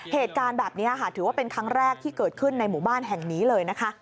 เหตุการณ์แบบนี้ค่ะถือว่าเป็นครั้งแรกที่เกิดขึ้นในหมู่บ้านแห่งนี้เลยนะคะ